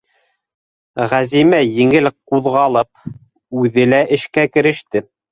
- Ғәзимә, еңел ҡуҙғалып, үҙе лә эшкә кереште.